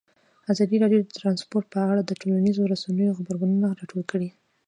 ازادي راډیو د ترانسپورټ په اړه د ټولنیزو رسنیو غبرګونونه راټول کړي.